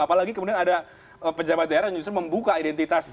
apalagi kemudian ada pejabat daerah yang justru membuka identitas